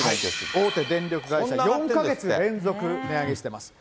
大手電力会社４か月連続値上げしてます。